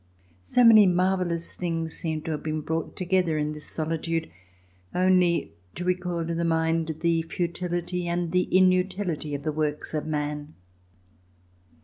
So many marvellous things seem to have been brought together in this solitude, only to recall to the mind the futility and the inutility of the works of man.